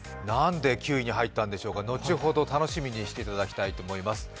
なんで９位に入ったんでしょうか、後ほど楽しみにしていただきたいと思います。